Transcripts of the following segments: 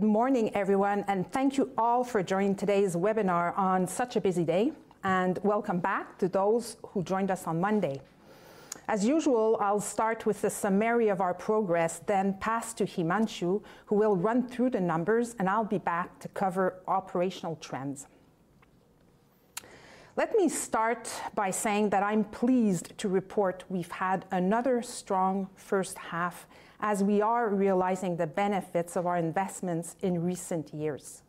Good morning, everyone, and thank you all for joining today's webinar on such a busy day, and welcome back to those who joined us on Monday. As usual, I'll start with the summary of our progress, then pass to Himanshu, who will run through the numbers, and I'll be back to cover operational trends. Let me start by saying that I'm pleased to report we've had another strong first half, as we are realizing the benefits of our investments in recent years.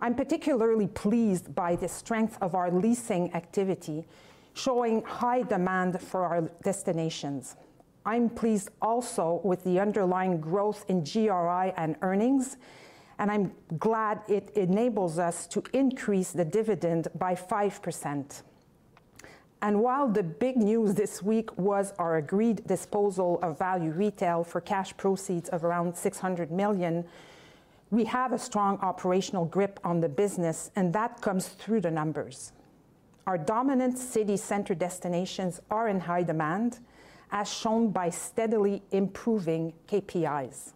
I'm particularly pleased by the strength of our leasing activity, showing high demand for our destinations. I'm pleased also with the underlying growth in GRI and earnings, and I'm glad it enables us to increase the dividend by 5%. While the big news this week was our agreed disposal of Value Retail for cash proceeds of around 600 million, we have a strong operational grip on the business, and that comes through the numbers. Our dominant city center destinations are in high demand, as shown by steadily improving KPIs.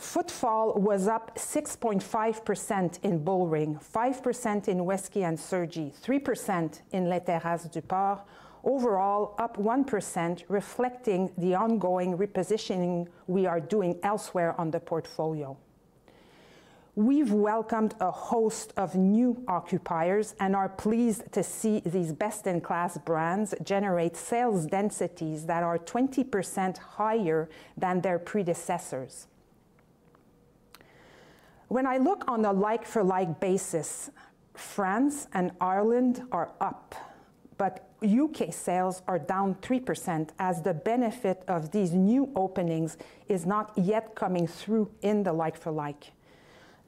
Footfall was up 6.5% in Bullring, 5% in Westquay and Les 3 Fontaines, 3% in Les Terrasses du Port, overall up 1%, reflecting the ongoing repositioning we are doing elsewhere on the portfolio. We've welcomed a host of new occupiers and are pleased to see these best-in-class brands generate sales densities that are 20% higher than their predecessors. When I look on a like-for-like basis, France and Ireland are up, but U.K. sales are down 3%, as the benefit of these new openings is not yet coming through in the like-for-like.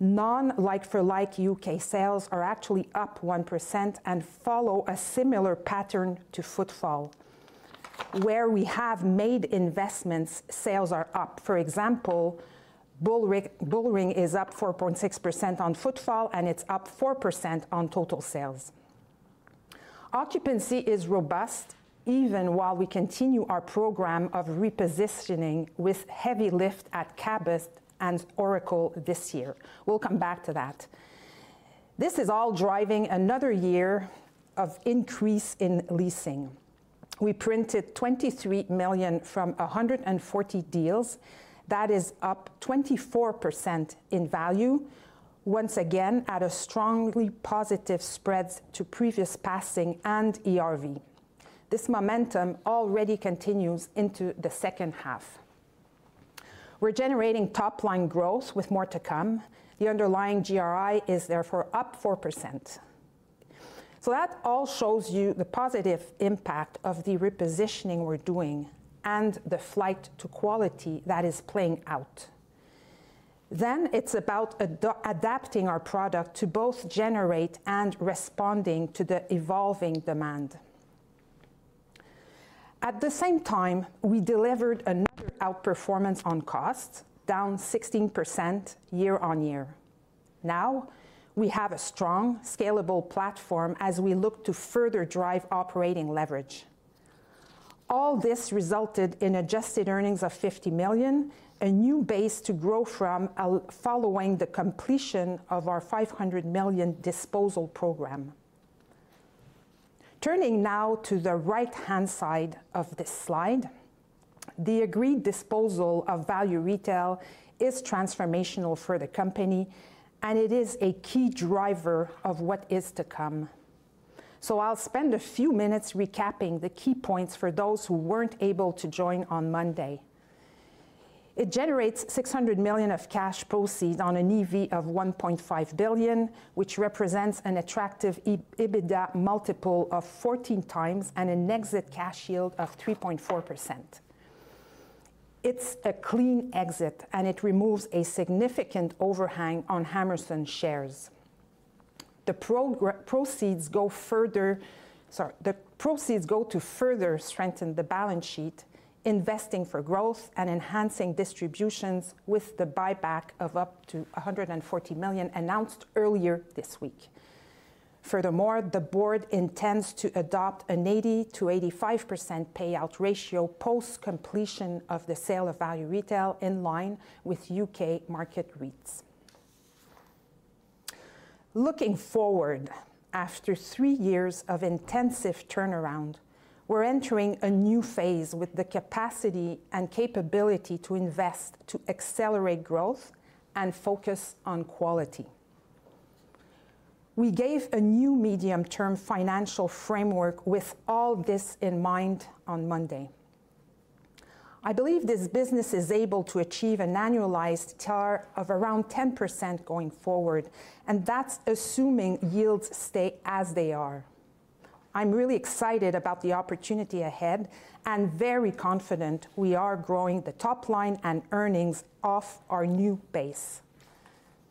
Non-like-for-like U.K.sales are actually up 1% and follow a similar pattern to footfall. Where we have made investments, sales are up. For example, Bullring is up 4.6% on footfall, and it's up 4% on total sales. Occupancy is robust, even while we continue our program of repositioning with heavy lift at Cabot and Oracle this year. We'll come back to that. This is all driving another year of increase in leasing. We printed 23 million from 140 deals. That is up 24% in value, once again at a strongly positive spread to previous passing and ERV. This momentum already continues into the second half. We're generating top-line growth with more to come. The underlying GRI is therefore up 4%. So that all shows you the positive impact of the repositioning we're doing and the flight to quality that is playing out. It's about adapting our product to both generate and responding to the evolving demand. At the same time, we delivered another outperformance on cost, down 16% year-over-year. Now we have a strong, scalable platform as we look to further drive operating leverage. All this resulted in adjusted earnings of 50 million, a new base to grow from following the completion of our 500 million disposal program. Turning now to the right-hand side of this slide, the agreed disposal of Value Retail is transformational for the company, and it is a key driver of what is to come. So I'll spend a few minutes recapping the key points for those who weren't able to join on Monday. It generates 600 million of cash proceeds on an EV of 1.5 billion, which represents an attractive EBITDA multiple of 14x and an exit cash yield of 3.4%. It's a clean exit, and it removes a significant overhang on Hammerson's shares. The proceeds go further to strengthen the balance sheet, investing for growth and enhancing distributions with the buyback of up to 140 million announced earlier this week. Furthermore, the board intends to adopt an 80%-85% payout ratio post-completion of the sale of Value Retail in line with U.K. market REITs. Looking forward, after three years of intensive turnaround, we're entering a new phase with the capacity and capability to invest to accelerate growth and focus on quality. We gave a new medium-term financial framework with all this in mind on Monday. I believe this business is able to achieve an annualized return of around 10% going forward, and that's assuming yields stay as they are. I'm really excited about the opportunity ahead and very confident we are growing the top line and earnings off our new base.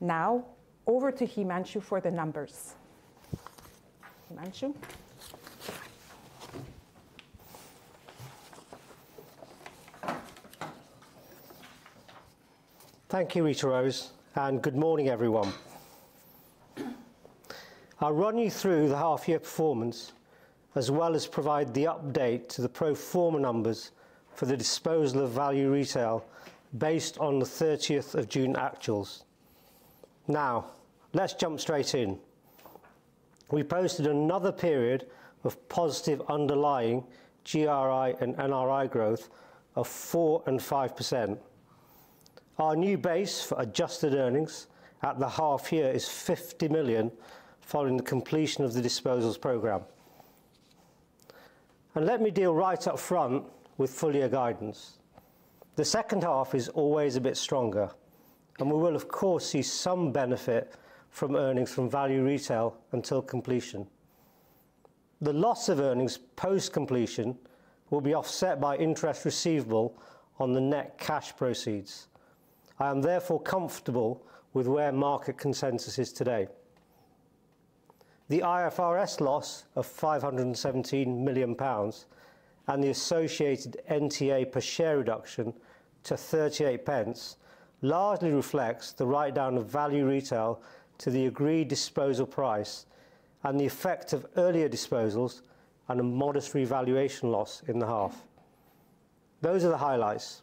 Now, over to Himanshu for the numbers. Himanshu. Thank you, Rita-Rose, and good morning, everyone. I'll run you through the half-year performance, as well as provide the update to the pro forma numbers for the disposal of Value Retail based on the 30th of June actuals. Now, let's jump straight in. We posted another period of positive underlying GRI and NRI growth of 4% and 5%. Our new base for adjusted earnings at the half-year is 50 million following the completion of the disposals program. Let me deal right up front with full-year guidance. The second half is always a bit stronger, and we will, of course, see some benefit from earnings from Value Retail until completion. The loss of earnings post-completion will be offset by interest receivable on the net cash proceeds. I am therefore comfortable with where market consensus is today. The IFRS loss of 517 million pounds and the associated NTA per share reduction to 0.38 largely reflects the write-down of Value Retail to the agreed disposal price and the effect of earlier disposals and a modest revaluation loss in the half. Those are the highlights.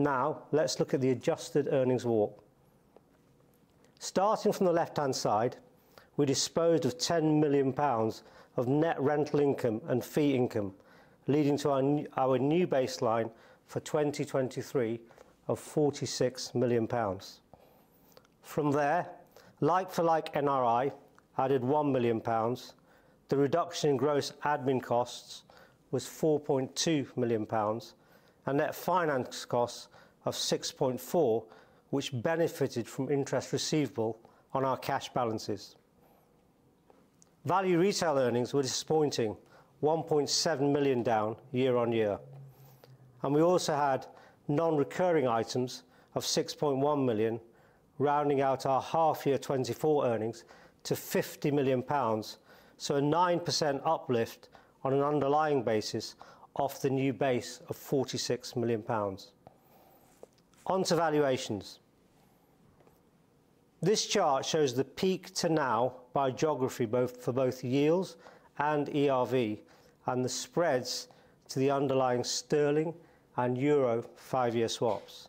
Now, let's look at the adjusted earnings walk. Starting from the left-hand side, we disposed of 10 million pounds of net rental income and fee income, leading to our new baseline for 2023 of 46 million pounds. From there, like-for-like NRI added 1 million pounds. The reduction in gross admin costs was 4.2 million pounds and net finance costs of 6.4 million, which benefited from interest receivable on our cash balances. Value Retail earnings were disappointing, 1.7 million down year-on-year. We also had non-recurring items of 6.1 million, rounding out our half-year 2024 earnings to 50 million pounds, so a 9% uplift on an underlying basis off the new base of 46 million pounds. Onto valuations. This chart shows the peak to now by geography for both yields and ERV, and the spreads to the underlying sterling and euro five-year swaps.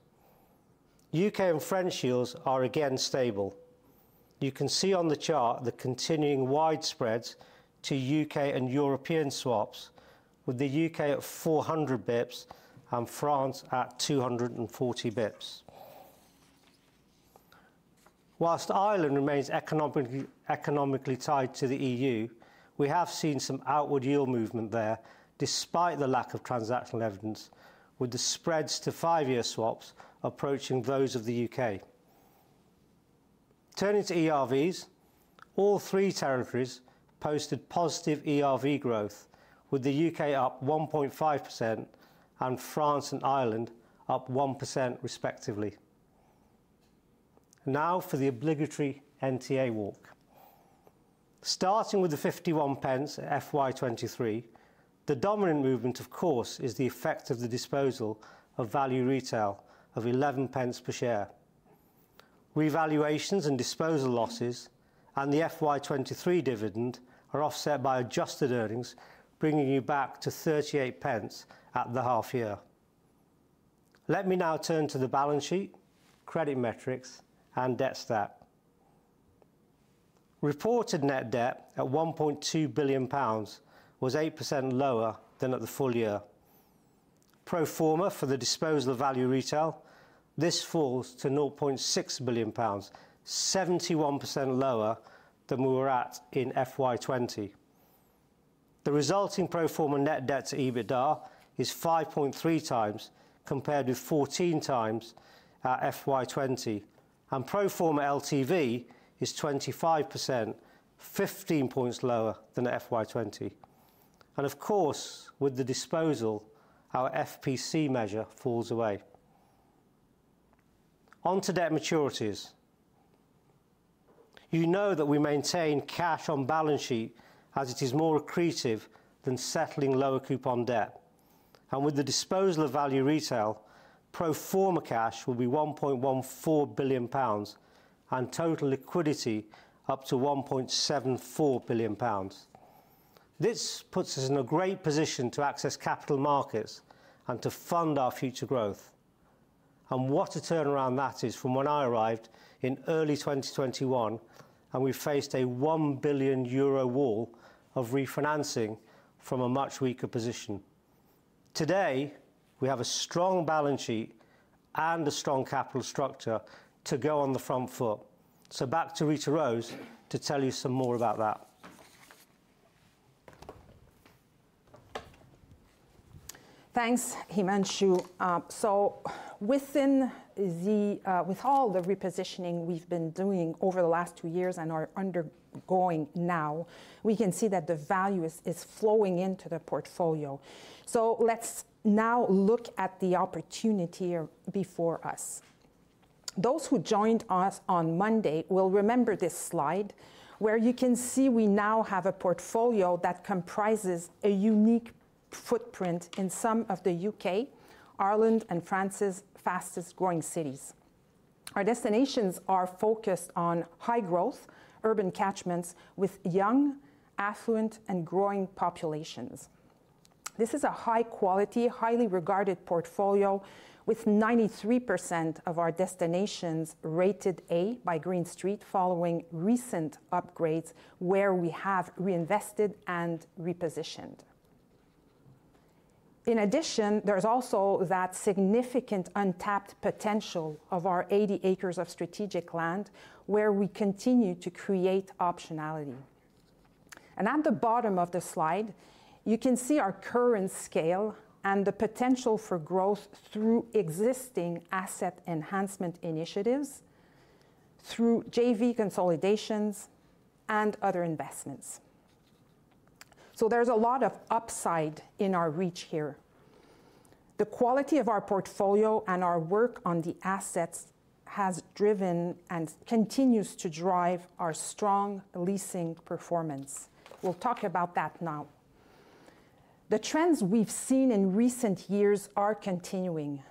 U.K. and French yields are again stable. You can see on the chart the continuing wide spreads to U.K. and European swaps, with the U.K. at 400 bps and France at 240 bps. While Ireland remains economically tied to the EU, we have seen some outward yield movement there despite the lack of transactional evidence, with the spreads to five-year swaps approaching those of the U.K. Turning to ERVs, all three territories posted positive ERV growth, with the U.K. up 1.5% and France and Ireland up 1%, respectively. Now for the obligatory NTA walk. Starting with the 0.51 FY23, the dominant movement, of course, is the effect of the disposal of Value Retail of 0.11 per share. Revaluations and disposal losses and the FY23 dividend are offset by adjusted earnings, bringing you back to 0.38 at the half-year. Let me now turn to the balance sheet, credit metrics, and debt stat. Reported net debt at 1.2 billion pounds was 8% lower than at the full year. Pro forma for the disposal of Value Retail, this falls to 0.6 billion pounds, 71% lower than we were at in FY20. The resulting pro forma net debt to EBITDA is 5.3x, compared with 14x at FY20, and pro forma LTV is 25%, 15 points lower than at FY20. Of course, with the disposal, our FPC measure falls away. Onto debt maturities. You know that we maintain cash on balance sheet as it is more accretive than settling lower coupon debt. And with the disposal of Value Retail, pro forma cash will be 1.14 billion pounds and total liquidity up to 1.74 billion pounds. This puts us in a great position to access capital markets and to fund our future growth. And what a turnaround that is from when I arrived in early 2021, and we faced a 1 billion euro wall of refinancing from a much weaker position. Today, we have a strong balance sheet and a strong capital structure to go on the front foot. So back to Rita-Rose to tell you some more about that. Thanks, Himanshu. With all the repositioning we've been doing over the last two years and are undergoing now, we can see that the value is flowing into the portfolio. Let's now look at the opportunity before us. Those who joined us on Monday will remember this slide, where you can see we now have a portfolio that comprises a unique footprint in some of the U.K., Ireland, and France's fastest-growing cities. Our destinations are focused on high-growth urban catchments with young, affluent, and growing populations. This is a high-quality, highly regarded portfolio, with 93% of our destinations rated A by Green Street, following recent upgrades where we have reinvested and repositioned. In addition, there's also that significant untapped potential of our 80 acres of strategic land, where we continue to create optionality. At the bottom of the slide, you can see our current scale and the potential for growth through existing asset enhancement initiatives, through JV consolidations, and other investments. So there's a lot of upside in our reach here. The quality of our portfolio and our work on the assets has driven and continues to drive our strong leasing performance. We'll talk about that now. The trends we've seen in recent years are continuing.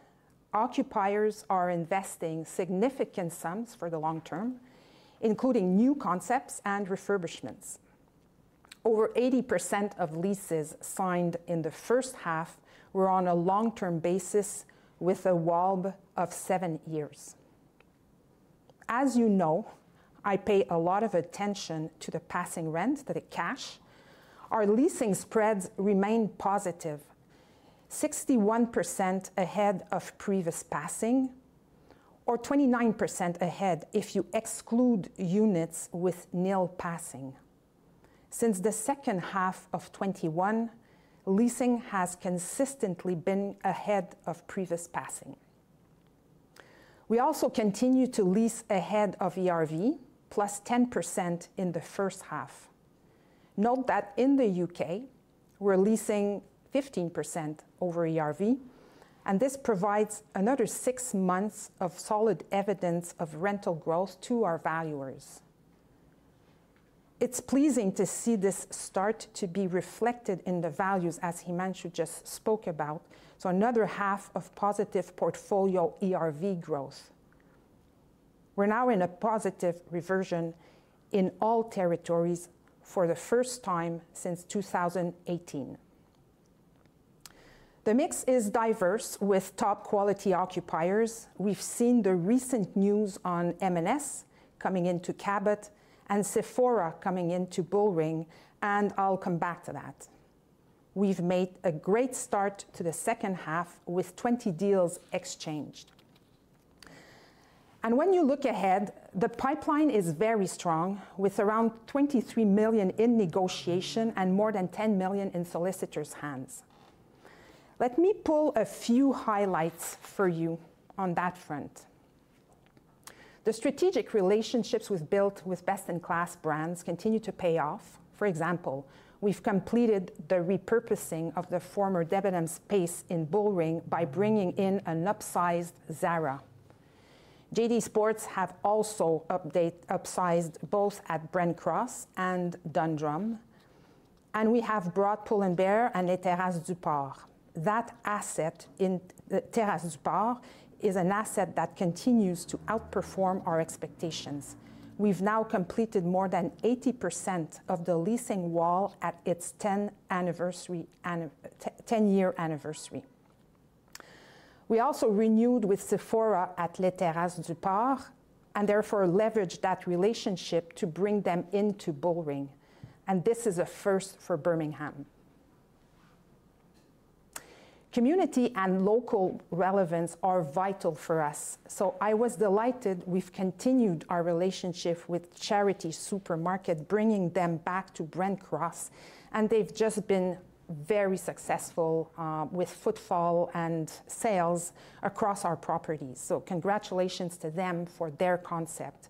Occupiers are investing significant sums for the long term, including new concepts and refurbishments. Over 80% of leases signed in the first half were on a long-term basis with a WALB of seven years. As you know, I pay a lot of attention to the passing rent, the cash. Our leasing spreads remain positive, 61% ahead of previous passing, or 29% ahead if you exclude units with nil passing. Since the second half of 2021, leasing has consistently been ahead of previous passing. We also continue to lease ahead of ERV, +10% in the first half. Note that in the U.K., we're leasing 15% over ERV, and this provides another six months of solid evidence of rental growth to our valuers. It's pleasing to see this start to be reflected in the values, as Himanshu just spoke about, so another half of positive portfolio ERV growth. We're now in a positive reversion in all territories for the first time since 2018. The mix is diverse with top-quality occupiers. We've seen the recent news on M&S coming into Cabot and Sephora coming into Bullring, and I'll come back to that. We've made a great start to the second half with 20 deals exchanged. When you look ahead, the pipeline is very strong, with around 23 million in negotiation and more than 10 million in solicitors' hands. Let me pull a few highlights for you on that front. The strategic relationships we've built with best-in-class brands continue to pay off. For example, we've completed the repurposing of the former Debenhams space in Bullring by bringing in an upsized Zara. JD Sports have also upsized both at Brent Cross and Dundrum, and we have brought Pull & Bear at Les Terrasses du Port. That asset in Les Terrasses du Port is an asset that continues to outperform our expectations. We've now completed more than 80% of the leasing wall at its 10-year anniversary. We also renewed with Sephora at Les Terrasses du Port and therefore leveraged that relationship to bring them into Bullring, and this is a first for Birmingham. Community and local relevance are vital for us, so I was delighted we've continued our relationship with Charity Super.Mkt, bringing them back to Brent Cross, and they've just been very successful with footfall and sales across our properties, so congratulations to them for their concept.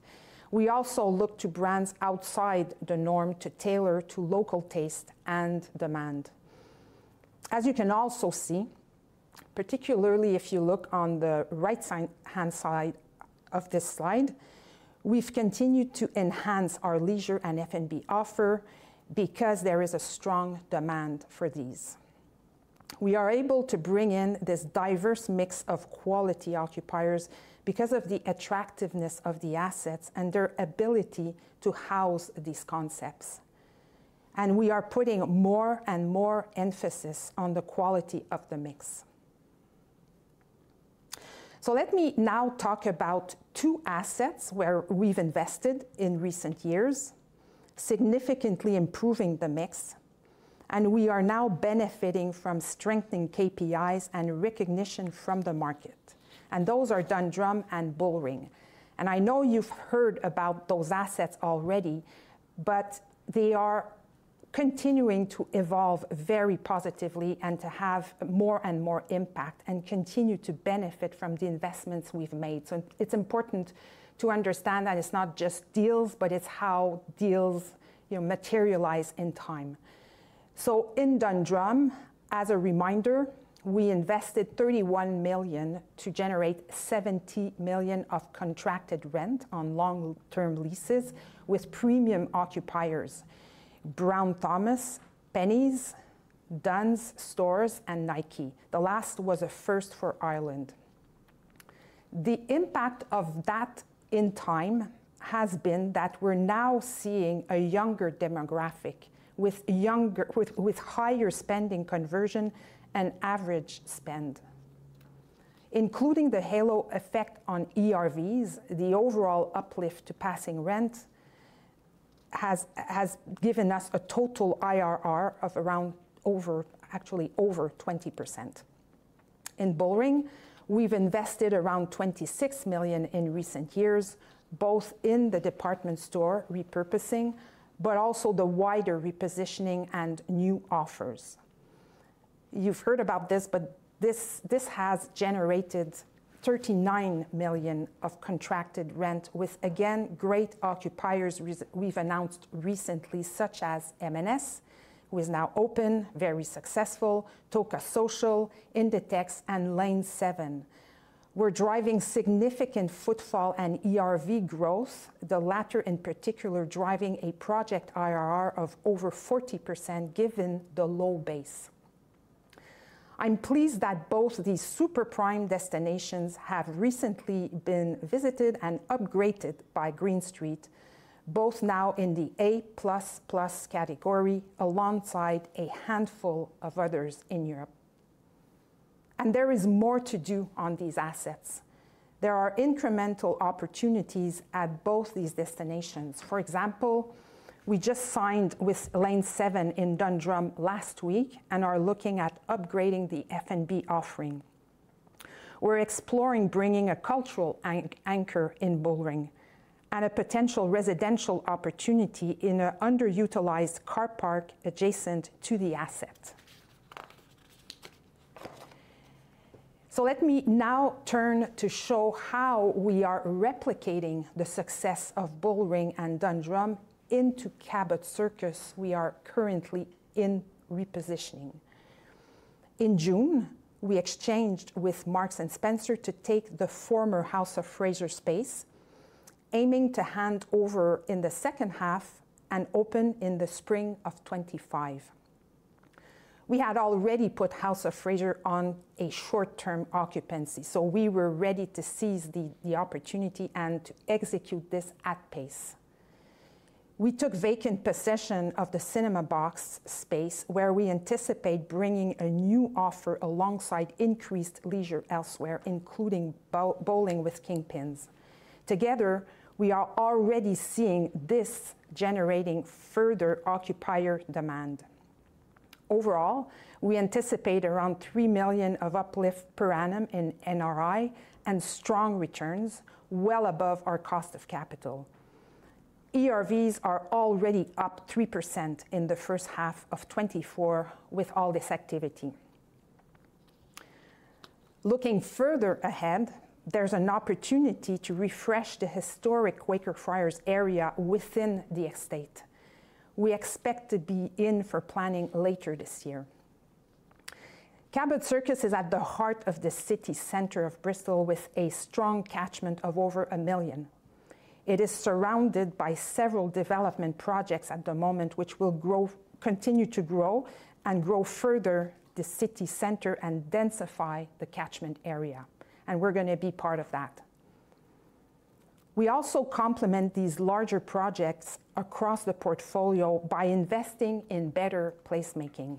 We also look to brands outside the norm to tailor to local taste and demand. As you can also see, particularly if you look on the right-hand side of this slide, we've continued to enhance our leisure and F&B offer because there is a strong demand for these. We are able to bring in this diverse mix of quality occupiers because of the attractiveness of the assets and their ability to house these concepts, and we are putting more and more emphasis on the quality of the mix. So let me now talk about two assets where we've invested in recent years, significantly improving the mix, and we are now benefiting from strengthening KPIs and recognition from the market, and those are Dundrum and Bullring. I know you've heard about those assets already, but they are continuing to evolve very positively and to have more and more impact and continue to benefit from the investments we've made. It's important to understand that it's not just deals, but it's how deals materialize in time. In Dundrum, as a reminder, we invested 31 million to generate 70 million of contracted rent on long-term leases with premium occupiers: Brown Thomas, Penneys, Dunnes Stores, and Nike. The last was a first for Ireland. The impact of that in time has been that we're now seeing a younger demographic with higher spending conversion and average spend. Including the halo effect on ERVs, the overall uplift to passing rent has given us a total IRR of around, actually over 20%. In Bullring, we've invested around 26 million in recent years, both in the department store repurposing, but also the wider repositioning and new offers. You've heard about this, but this has generated 39 million of contracted rent with, again, great occupiers we've announced recently, such as M&S, who is now open, very successful, TOCA Social, Inditex, and Lane7. We're driving significant footfall and ERV growth, the latter in particular driving a project IRR of over 40% given the low base. I'm pleased that both these super prime destinations have recently been visited and upgraded by Green Street, both now in the A++ category alongside a handful of others in Europe. There is more to do on these assets. There are incremental opportunities at both these destinations. For example, we just signed with Lane7 in Dundrum last week and are looking at upgrading the F&B offering. We're exploring bringing a cultural anchor in Bullring and a potential residential opportunity in an underutilized car park adjacent to the asset. So let me now turn to show how we are replicating the success of Bullring and Dundrum into Cabot Circus, we are currently in repositioning. In June, we exchanged with Marks and Spencer to take the former House of Fraser space, aiming to hand over in the second half and open in the spring of 2025. We had already put House of Fraser on a short-term occupancy, so we were ready to seize the opportunity and to execute this at pace. We took vacant possession of the Cinema Box space, where we anticipate bringing a new offer alongside increased leisure elsewhere, including bowling with King Pins. Together, we are already seeing this generating further occupier demand. Overall, we anticipate around 3 million of uplift per annum in NRI and strong returns, well above our cost of capital. ERVs are already up 3% in the first half of 2024 with all this activity. Looking further ahead, there's an opportunity to refresh the historic Quaker Friars area within the estate. We expect to be in for planning later this year. Cabot Circus is at the heart of the city center of Bristol with a strong catchment of over 1 million. It is surrounded by several development projects at the moment, which will continue to grow and grow further the city center and densify the catchment area, and we're going to be part of that. We also complement these larger projects across the portfolio by investing in better placemaking,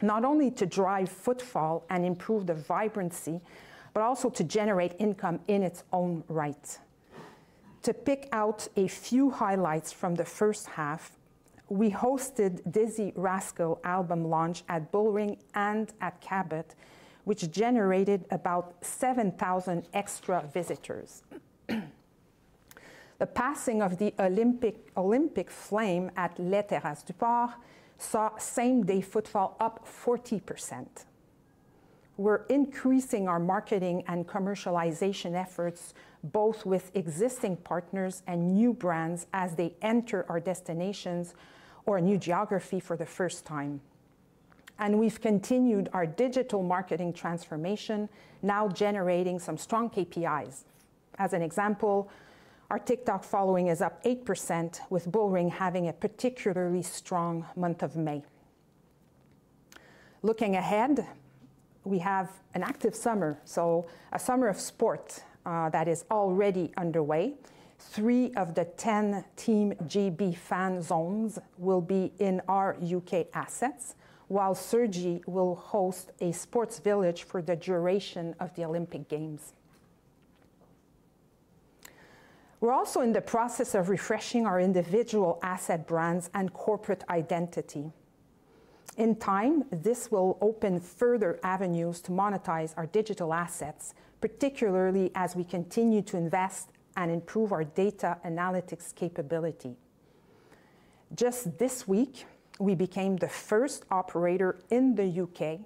not only to drive footfall and improve the vibrancy, but also to generate income in its own right. To pick out a few highlights from the first half, we hosted Dizzee Rascal album launch at Bullring and at Cabot, which generated about 7,000 extra visitors. The passing of the Olympic flame at Les Terrasses du Port saw same-day footfall up 40%. We're increasing our marketing and commercialization efforts, both with existing partners and new brands as they enter our destinations or new geography for the first time. We've continued our digital marketing transformation, now generating some strong KPIs. As an example, our TikTok following is up 8%, with Bullring having a particularly strong month of May. Looking ahead, we have an active summer, so a summer of sports that is already underway. Three of the 10 Team GB fan zones will be in our U.K. assets, while Cergy will host a sports village for the duration of the Olympic Games. We're also in the process of refreshing our individual asset brands and corporate identity. In time, this will open further avenues to monetize our digital assets, particularly as we continue to invest and improve our data analytics capability. Just this week, we became the first operator in the U.K.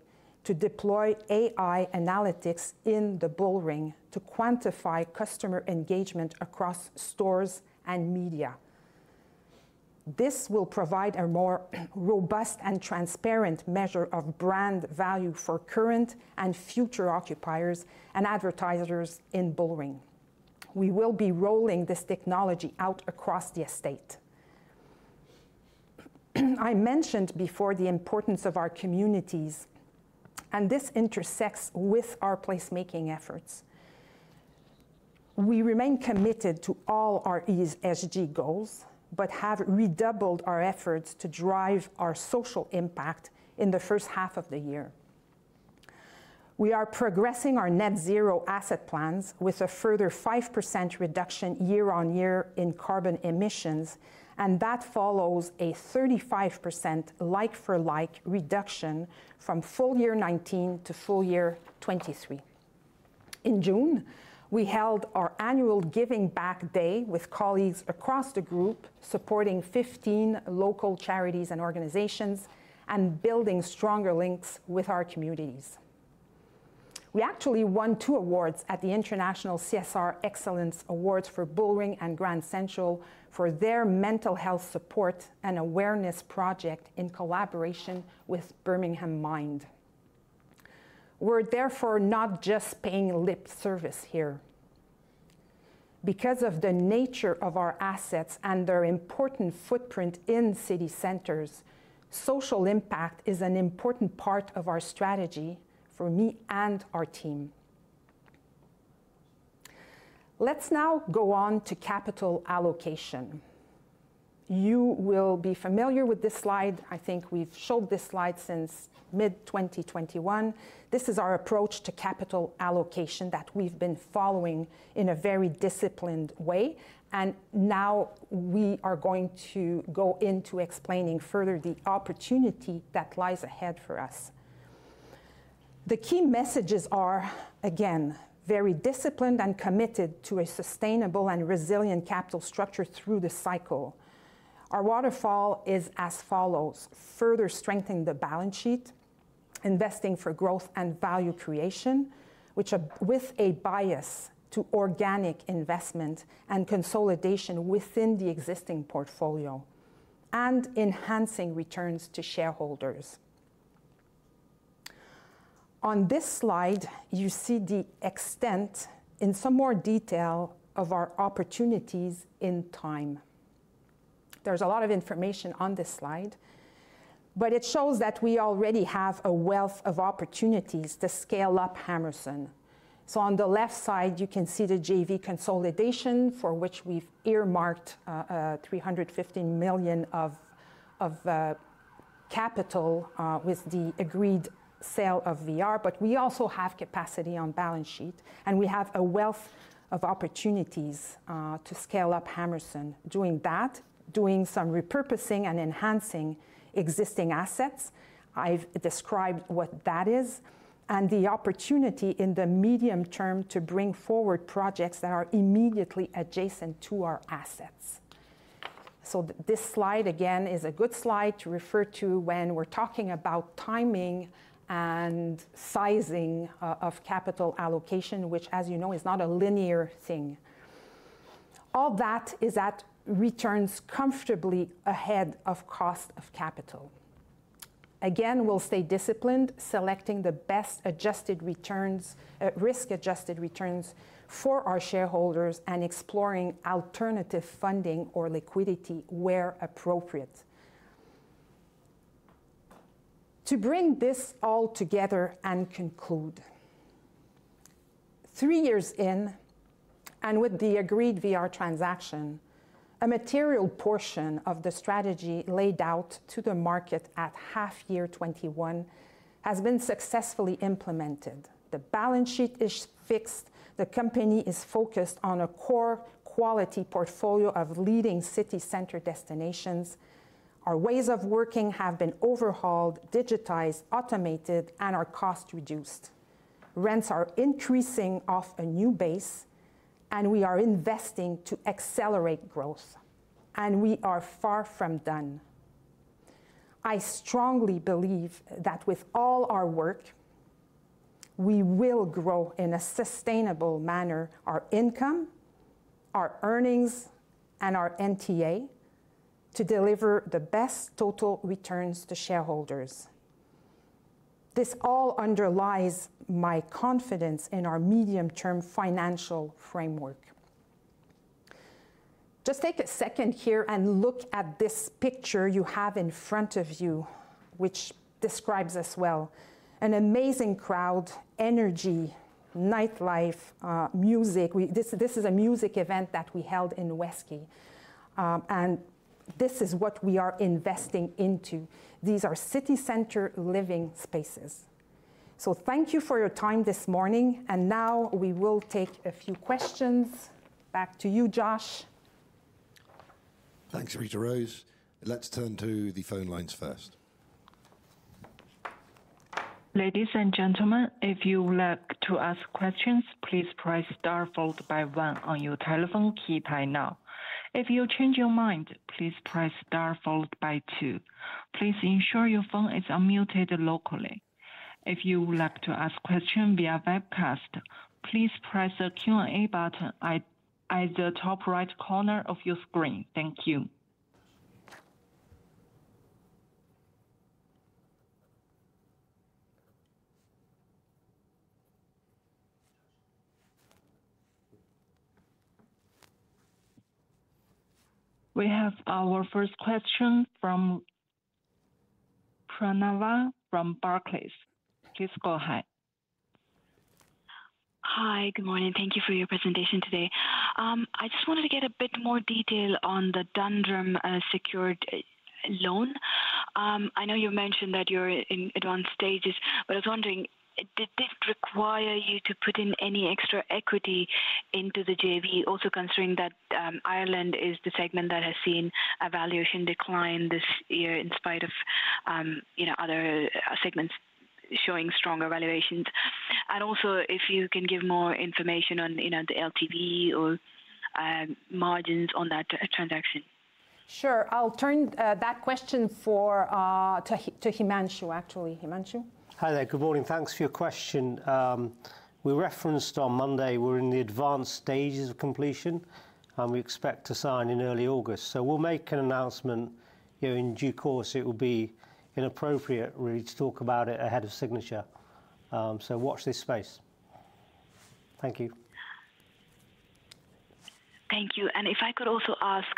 to deploy AI analytics in the Bullring to quantify customer engagement across stores and media. This will provide a more robust and transparent measure of brand value for current and future occupiers and advertisers in Bullring. We will be rolling this technology out across the estate. I mentioned before the importance of our communities, and this intersects with our placemaking efforts. We remain committed to all our ESG goals, but have redoubled our efforts to drive our social impact in the first half of the year. We are progressing our net zero asset plans with a further 5% reduction year-on-year in carbon emissions, and that follows a 35% like-for-like reduction from full year 2019 to full year 2023. In June, we held our annual Giving Back Day with colleagues across the group, supporting 15 local charities and organizations and building stronger links with our communities. We actually won two awards at the International CSR Excellence Awards for Bullring and Grand Central for their mental health support and awareness project in collaboration with Birmingham Mind. We're therefore not just paying lip service here. Because of the nature of our assets and their important footprint in city centers, social impact is an important part of our strategy for me and our team. Let's now go on to capital allocation. You will be familiar with this slide. I think we've showed this slide since mid-2021. This is our approach to capital allocation that we've been following in a very disciplined way, and now we are going to go into explaining further the opportunity that lies ahead for us. The key messages are, again, very disciplined and committed to a sustainable and resilient capital structure through the cycle. Our waterfall is as follows: further strengthening the balance sheet, investing for growth and value creation, which with a bias to organic investment and consolidation within the existing portfolio, and enhancing returns to shareholders. On this slide, you see the extent in some more detail of our opportunities in time. There's a lot of information on this slide, but it shows that we already have a wealth of opportunities to scale up Hammerson. So on the left side, you can see the JV consolidation for which we've earmarked 350 million of capital with the agreed sale of VR, but we also have capacity on balance sheet, and we have a wealth of opportunities to scale up Hammerson doing that, doing some repurposing and enhancing existing assets. I've described what that is and the opportunity in the medium term to bring forward projects that are immediately adjacent to our assets. So this slide, again, is a good slide to refer to when we're talking about timing and sizing of capital allocation, which, as you know, is not a linear thing. All that is that returns comfortably ahead of cost of capital. Again, we'll stay disciplined, selecting the best adjusted returns, risk-adjusted returns for our shareholders, and exploring alternative funding or liquidity where appropriate. To bring this all together and conclude, three years in and with the agreed VR transaction, a material portion of the strategy laid out to the market at half year 2021 has been successfully implemented. The balance sheet is fixed. The company is focused on a core quality portfolio of leading city center destinations. Our ways of working have been overhauled, digitized, automated, and our costs reduced. Rents are increasing off a new base, and we are investing to accelerate growth, and we are far from done. I strongly believe that with all our work, we will grow in a sustainable manner our income, our earnings, and our NTA to deliver the best total returns to shareholders. This all underlies my confidence in our medium-term financial framework. Just take a second here and look at this picture you have in front of you, which describes us well: an amazing crowd, energy, nightlife, music. This is a music event that we held in Westquay, and this is what we are investing into. These are city center living spaces. So thank you for your time this morning, and now we will take a few questions. Back to you, Josh. Thanks, Rita-Rose. Let's turn to the phone lines first. Ladies and gentlemen, if you would like to ask questions, please press star followed by one on your telephone keypad now. If you change your mind, please press star followed by two. Please ensure your phone is unmuted locally. If you would like to ask a question via webcast, please press the Q&A button at the top right corner of your screen. Thank you. We have our first question from Pranava from Barclays. Please go ahead. Hi, good morning. Thank you for your presentation today. I just wanted to get a bit more detail on the Dundrum secured loan. I know you mentioned that you're in advanced stages, but I was wondering, did this require you to put in any extra equity into the JV, also considering that Ireland is the segment that has seen a valuation decline this year in spite of other segments showing stronger valuations? And also, if you can give more information on the LTV or margins on that transaction. Sure. I'll turn that question to Himanshu, actually. Himanshu. Hi there. Good morning. Thanks for your question. We referenced on Monday we're in the advanced stages of completion, and we expect to sign in early August. So we'll make an announcement here in due course. It will be inappropriate, really, to talk about it ahead of signature. So watch this space. Thank you. Thank you. And if I could also ask,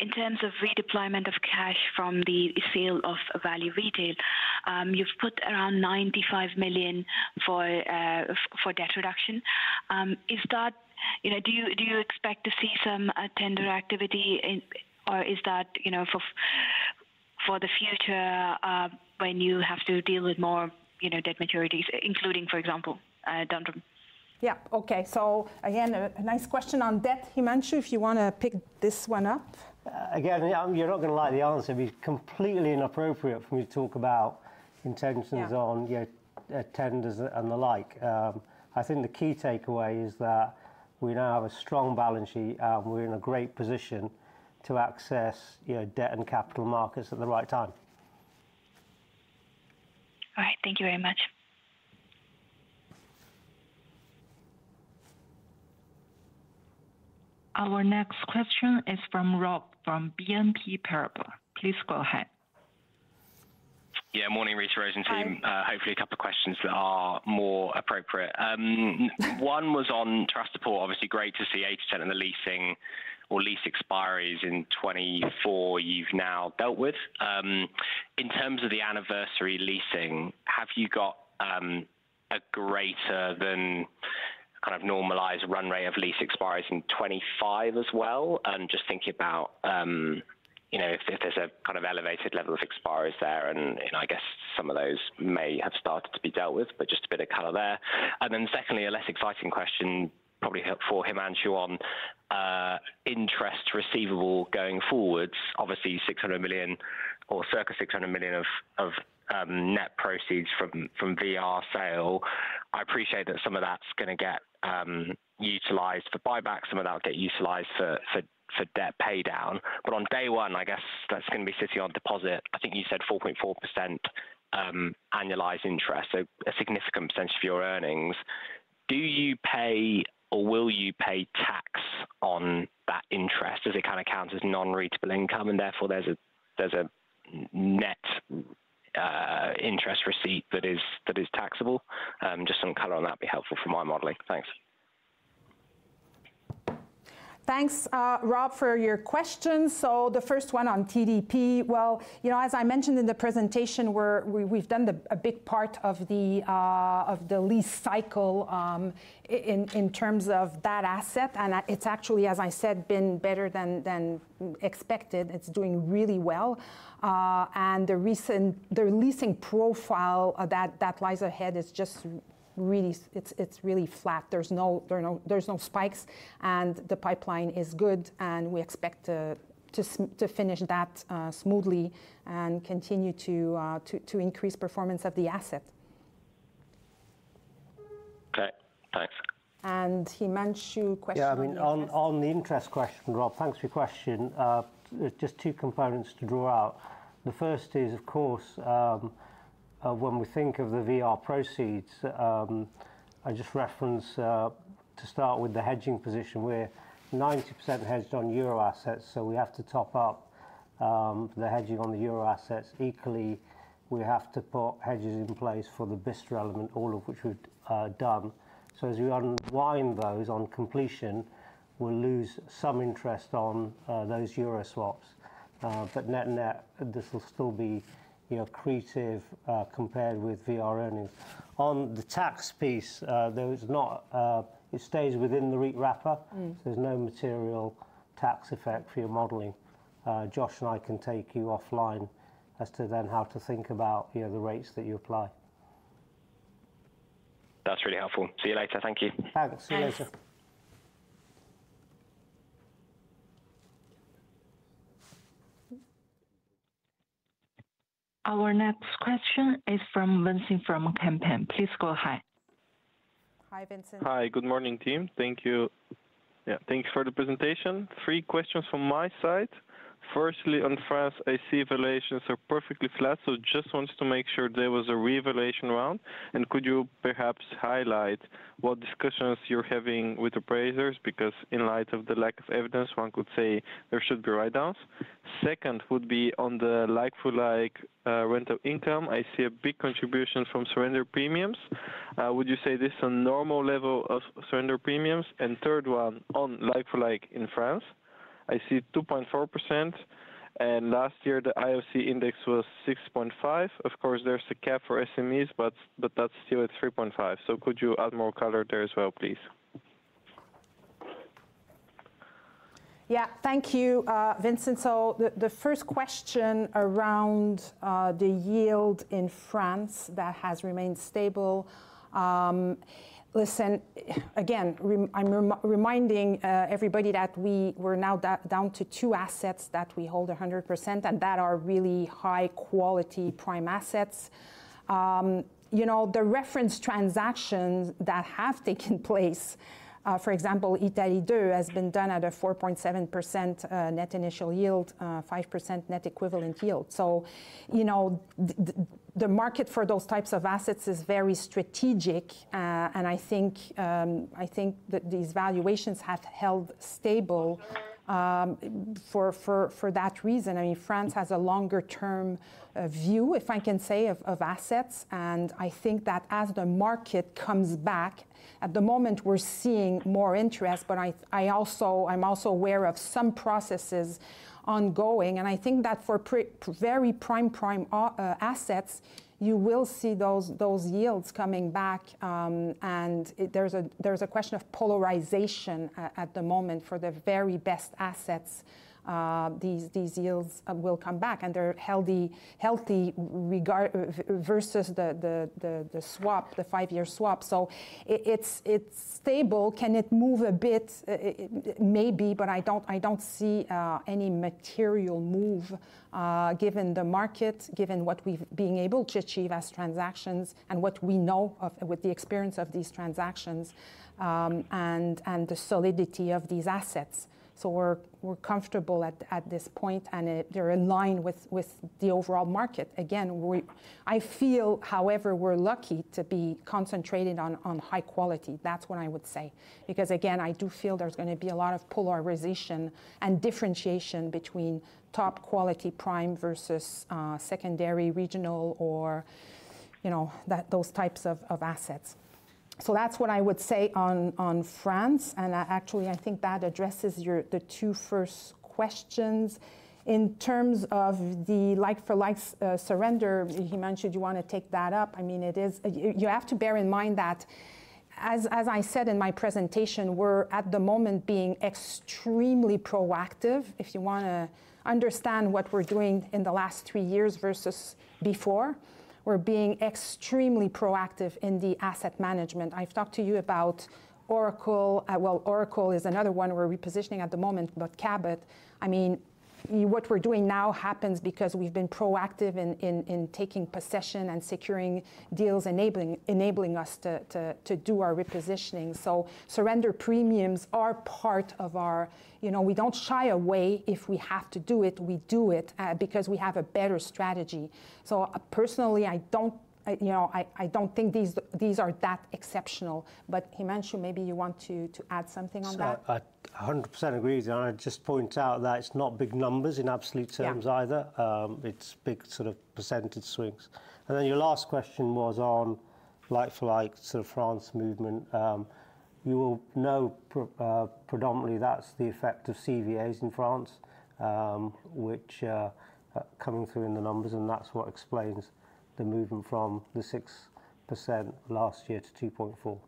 in terms of redeployment of cash from the sale of Value Retail, you've put around 95 million for debt reduction. Do you expect to see some tender activity, or is that for the future when you have to deal with more debt maturities, including, for example, Dundrum? Yeah. Okay. So again, a nice question on debt. Himanshu, if you want to pick this one up. Again, you're not going to like the answer. It'd be completely inappropriate for me to talk about in terms of tenders and the like. I think the key takeaway is that we now have a strong balance sheet, and we're in a great position to access debt and capital markets at the right time. All right. Thank you very much. Our next question is from Rob from BNP Paribas. Please go aheadYeah. Morning, Rita-Rose and team. Hopefully, a couple of questions that are more appropriate. One was on Terrasses du Port Some of that will get utilized for debt paydown. But on day one, I guess that's going to be sitting on deposit. I think you said 4.4% annualized interest, so a significant percentage of your earnings. Do you pay or will you pay tax on that interest? Does it kind of count as non-rental income? And therefore, there's a net interest receipt that is taxable. Just some color on that would be helpful for my modeling. Thanks. Thanks, Rob, for your questions. So the first one on TDP. Well, as I mentioned in the presentation, we've done a big part of the lease cycle in terms of that asset, and it's actually, as I said, been better than expected. It's doing really well. The leasing profile that lies ahead is just really flat. There's no spikes, and the pipeline is good, and we expect to finish that smoothly and continue to increase performance of the asset. Okay. Thanks. And Himanshu question. Yeah. I mean, on the interest question, Rob, thanks for your question. Just two components to draw out. The first is, of course, when we think of the VR proceeds, I just referenced to start with the hedging position. We're 90% hedged on euro assets, so we have to top up the hedging on the euro assets equally. We have to put hedges in place for the Bicester element, all of which we've done. So as we unwind those on completion, we'll lose some interest on those euro swaps. But net net, this will still be accretive compared with VR earnings. On the tax piece, it stays within the REIT wrapper, so there's no material tax effect for your modeling. Josh and I can take you offline as to then how to think about the rates that you apply. That's really helpful. See you later. Thank you. Thanks. See you later. Our next question is from Vincent from Kempen. Please go ahead. Hi, Vincent. Hi. Good morning, team. Thank you. Yeah. Thank you for the presentation. Three questions from my side. Firstly, on France, I see valuations are perfectly flat, so just wanted to make sure there was a revaluation round. Could you perhaps highlight what discussions you're having with appraisers? Because in light of the lack of evidence, one could say there should be write-downs. Second would be on the like-for-like rental income. I see a big contribution from surrender premiums. Would you say this is a normal level of surrender premiums? And third one, on like-for-like in France, I see 2.4%, and last year, the ILC index was 6.5. Of course, there's a cap for SMEs, but that's still at 3.5. So could you add more color there as well, please? Yeah. Thank you, Vincent. So the first question around the yield in France that has remained stable. Listen, again, I'm reminding everybody that we're now down to two assets that we hold 100%, and that are really high-quality prime assets. The reference transactions that have taken place, for example, Italie Deux has been done at a 4.7% net initial yield, 5% net equivalent yield. So the market for those types of assets is very strategic, and I think these valuations have held stable for that reason. I mean, France has a longer-term view, if I can say, of assets. I think that as the market comes back, at the moment, we're seeing more interest, but I'm also aware of some processes ongoing. I think that for very prime prime assets, you will see those yields coming back. There's a question of polarization at the moment. For the very best assets, these yields will come back, and they're healthy versus the swap, the five-year swap. So it's stable. Can it move a bit? Maybe, but I don't see any material move given the market, given what we've been able to achieve as transactions and what we know with the experience of these transactions and the solidity of these assets. So we're comfortable at this point, and they're in line with the overall market. Again, I feel, however, we're lucky to be concentrated on high quality. That's what I would say. Because again, I do feel there's going to be a lot of polarization and differentiation between top quality prime versus secondary regional or those types of assets. So that's what I would say on France. And actually, I think that addresses the two first questions in terms of the like-for-like surrender. Himanshu, do you want to take that up? I mean, you have to bear in mind that, as I said in my presentation, we're at the moment being extremely proactive. If you want to understand what we're doing in the last three years versus before, we're being extremely proactive in the asset management. I've talked to you about Oracle. Well, Oracle is another one we're repositioning at the moment, but Cabot, I mean, what we're doing now happens because we've been proactive in taking possession and securing deals, enabling us to do our repositioning. So, surrender premiums are part of how we don't shy away. If we have to do it, we do it because we have a better strategy. So personally, I don't think these are that exceptional. But Himanshu, maybe you want to add something on that? 100% agree. I just point out that it's not big numbers in absolute terms either. It's big sort of percentage swings. And then your last question was on like-for-like sort of French movement. You will know predominantly that's the effect of CVAs in France, which are coming through in the numbers, and that's what explains the movement from the 6% last year to 2.4%.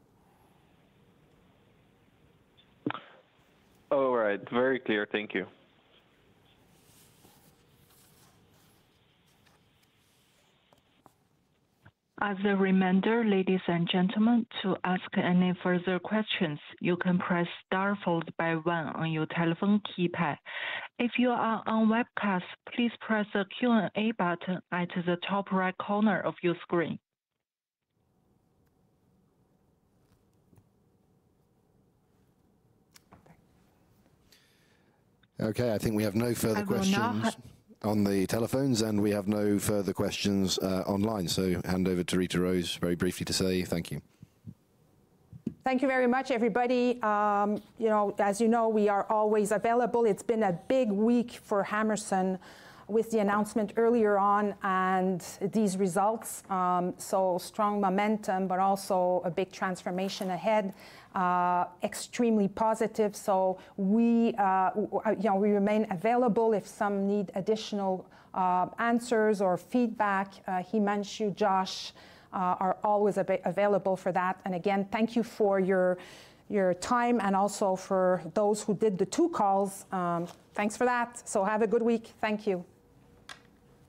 All right. Very clear. Thank you. As a reminder, ladies and gentlemen, to ask any further questions, you can press star followed by one on your telephone keypad. If you are on webcast, please press the Q&A button at the top right corner of your screen. Okay. I think we have no further questions on the telephones, and we have no further questions online. So hand over to Rita-Rose very briefly to say thank you. Thank you very much, everybody. As you know, we are always available. It's been a big week for Hammerson with the announcement earlier on and these results. So strong momentum, but also a big transformation ahead. Extremely positive. So we remain available if some need additional answers or feedback. Himanshu, Josh are always available for that. And again, thank you for your time and also for those who did the two calls. Thanks for that. So have a good week. Thank you.